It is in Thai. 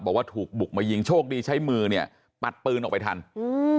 บอกว่าถูกบุกมายิงโชคดีใช้มือเนี้ยปัดปืนออกไปทันอืม